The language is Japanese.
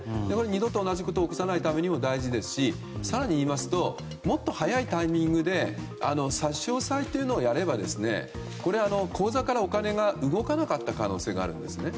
二度と同じことを起こさないことも大事ですし更に言いますともっと早いタイミングで差し押さえというのをやれば口座からお金が動かなかった可能性があるんですね。